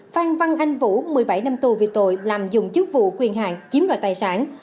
phan văn anh vũ một mươi bảy năm tù về tội làm dụng chức vụ quyền hạng chiếm đoạt tài sản